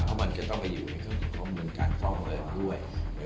เพราะมันก็ต้องไปอยู่ในการป้องโมงด้วย